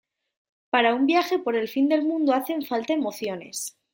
para un viaje por el fin del mundo hacen falta emociones